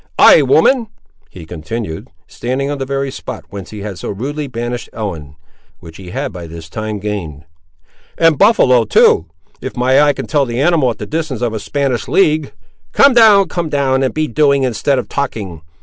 Ay, woman," he continued, standing on the very spot whence he had so rudely banished Ellen, which he had by this time gained, "and buffaloe too, if my eye can tell the animal at the distance of a Spanish league." "Come down; come down, and be doing, instead of talking.